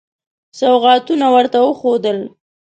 سوغاتونه ورته وښودل.